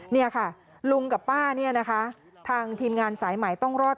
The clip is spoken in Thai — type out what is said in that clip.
นี่ค่ะลุงกับป้าเนี่ยนะคะทางทีมงานสายใหม่ต้องรอด